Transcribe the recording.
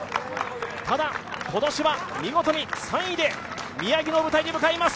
ただ、今年は見事に３位で宮城の舞台に向かいます。